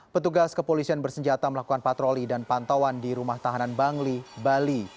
petugas kepolisian bersenjata melakukan patroli dan pantauan di rumah tahanan bangli bali